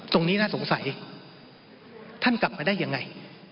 ตรงนี้น่าสงสัยท่านกลับมาได้ยังไง